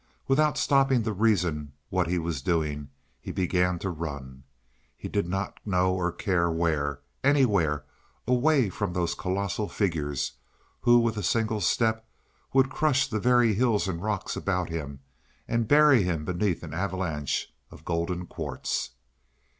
Without stopping to reason what he was doing he began to run. He did not know or care where anywhere away from those colossal figures who with a single step would crush the very hills and rocks about him and bury him beneath an avalanche of golden quartz.